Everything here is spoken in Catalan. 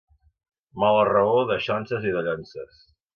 Mala raó, daixonses i dallonses.